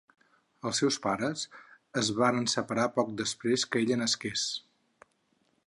Els seus pares es varen separar poc després que ella nasqués.